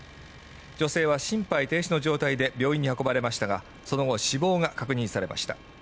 女性は心肺停止の状態で病院に運ばれましたがその後死亡が確認されました。